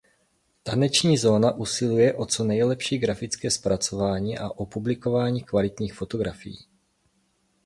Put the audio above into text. Taneční zóna usiluje o co nejlepší grafické zpracování a o publikování kvalitních fotografií.